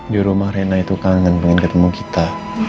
di rumah rena itu kangen pengen ketemu kita